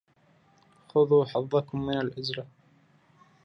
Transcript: خذوا حظكم من العزلة.